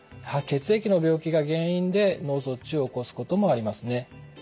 血液の病気が原因で脳卒中を起こすこともありますね。